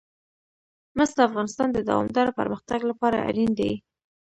مس د افغانستان د دوامداره پرمختګ لپاره اړین دي.